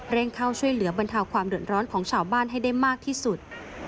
เข้าช่วยเหลือบรรเทาความเดือดร้อนของชาวบ้านให้ได้มากที่สุด